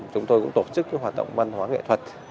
chúng tôi cũng tổ chức hoạt động văn hóa nghệ thuật